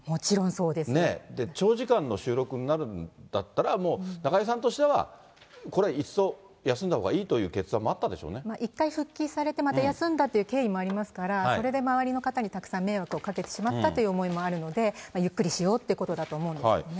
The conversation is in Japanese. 長時間の収録になるんだったら、中居さんとしては、これはいっそ、休んだほうがいいという決１回復帰されて、また休んだという経緯もありますから、それで周りの方にたくさん迷惑をかけてしまったという思いもあるので、ゆっくりしようということだと思うんですけどね。